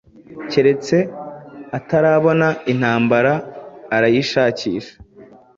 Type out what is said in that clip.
Keretse utarabona intambara arayishakisha